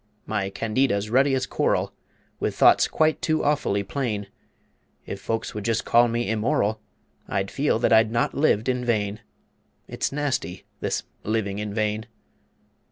My "Candida's" ruddy as coral, With thoughts quite too awfully plain If folks would just call me Immoral I'd feel that I'd not lived in vain. (It's nasty, this living in vain!)